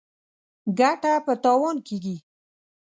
ګټه په تاوان کېږي.